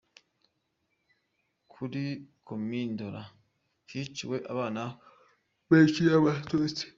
Kuri Komini Ndora, hiciwe abana benshi b’Abatutsi.